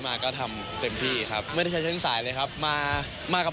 มาก็ทำเต็มที่ครับไม่ได้ใช้เส้นสายเลยครับมามากับ